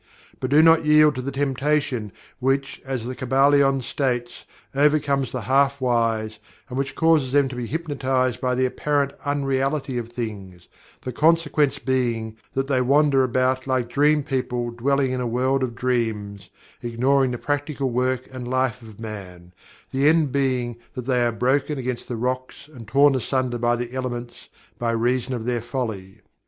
But do not yield to the temptation which, as The Kybalion states, overcomes the half wise and which causes them to be hypnotized by the apparent unreality of things, the consequence being that they wander about like dream people dwelling in a world of dreams, ignoring the practical work and life of man, the end being that "they are broken against the rocks and torn asunder by the elements, by reason of their folly."